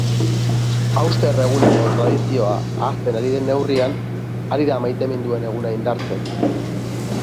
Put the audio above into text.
Hauster eguneko tradizioa ahazten ari den neurrian ari da maiteminduen eguna indartzen.